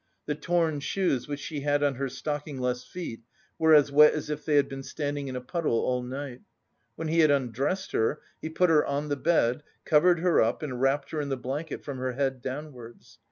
The torn shoes which she had on her stockingless feet were as wet as if they had been standing in a puddle all night. When he had undressed her, he put her on the bed, covered her up and wrapped her in the blanket from her head downwards.